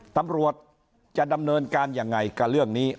ตำรวจจะดำเนินการยังไงกับเรื่องนี้